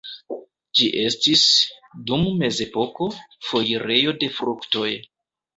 Ĝi estis, dum mezepoko, foirejo de fruktoj.